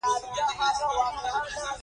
دا باید نظري بحث ته تیارې وي